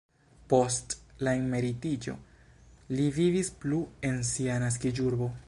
Post la emeritiĝo li vivis plu en sia naskiĝurbo.